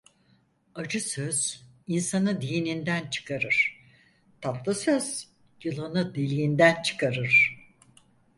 Acı söz insanı dininden çıkarır, tatlı söz yılanı deliğinden çıkarır.